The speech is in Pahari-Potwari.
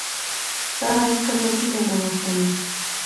ساڑا اس کنے کی لینا واسطہ نئیں